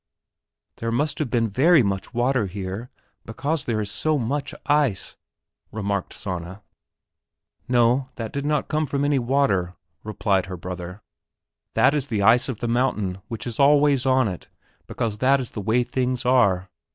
"There must have been very much water here, because there is so much ice," remarked Sanna. "No, that did not come from any water," replied her brother, "that is the ice of the mountain which is always on it, because that is the way things are."